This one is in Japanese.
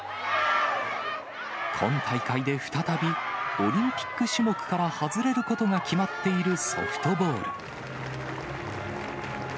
今大会で再びオリンピック種目から外れることが決まっているソフトボール。